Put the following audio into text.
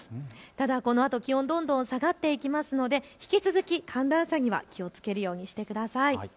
ただこのあと気温、どんどん下がっていくので引き続き寒暖差には気をつけるようにしてください。